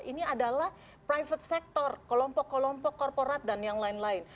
ini adalah private sector kelompok kelompok korporat dan yang lain lain